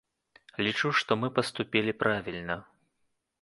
Лічу, што мы паступілі правільна.